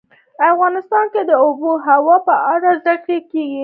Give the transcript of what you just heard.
افغانستان کې د آب وهوا په اړه زده کړه کېږي.